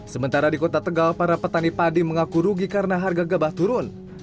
sementara di kota tegal para petani padi mengaku rugi karena harga gabah turun